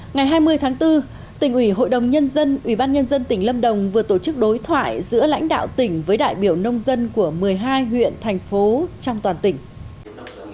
ngày hai mươi tháng bốn tỉnh ủy hội đồng nhân dân ubnd tỉnh lâm đồng vừa tổ chức đối thoại giữa lãnh đạo tỉnh với đại biểu nông dân của một mươi hai huyện thành phố trong toàn tỉnh